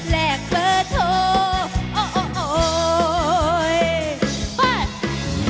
แรกเบอร์โทรโอ้โหย